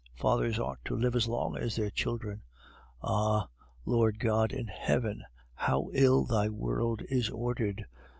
Fathers ought to live as long as their children. Ah! Lord God in heaven! how ill Thy world is ordered!